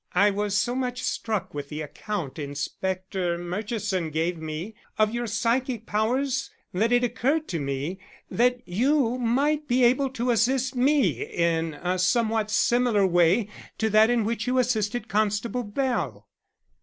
"I was so much struck with the account Inspector Murchison gave me of your psychic powers that it occurred to me that you might be able to assist me in a somewhat similar way to that in which you assisted Constable Bell."